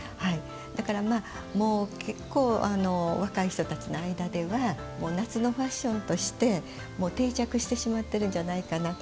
だから結構、若い人たちの間では夏のファッションとして定着してしまっているんじゃないかな。